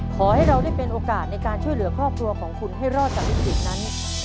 ขอให้เราได้เป็นโอกาสในการช่วยเหลือครอบครัวของคุณให้รอดจากวิกฤตนั้น